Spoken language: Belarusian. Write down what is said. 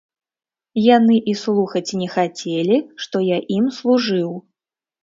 Яны і слухаць не хацелі, што я ім служыў.